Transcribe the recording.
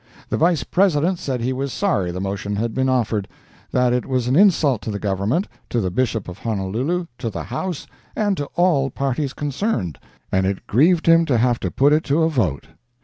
The Vice President said he was sorry the motion had been offered; that it was an insult to the Government, to the Bishop of Honolulu, to the House, and to all parties concerned, and it grieved him to have to put it to a vote.